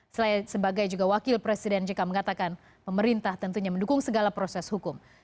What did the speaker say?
selain sebagai juga wakil presiden jk mengatakan pemerintah tentunya mendukung segala proses hukum